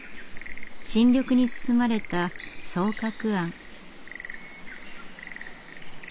新緑に包まれた双鶴庵。